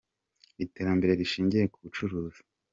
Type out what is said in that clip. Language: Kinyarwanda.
Iterambere rishingiye kubucuruzi